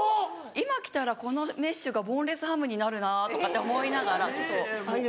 今着たらこのメッシュがボンレスハムになるなとかって思いながらちょっと。